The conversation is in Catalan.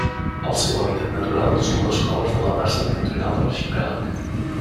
El seu hàbitat natural són les coves de la part septentrional de l'arxipèlag.